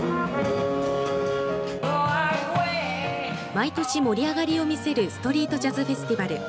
毎年盛り上がりを見せる「ストリートジャズフェスティバル」。